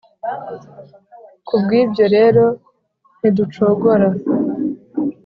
Ku bw’ibyo rero ntiducogora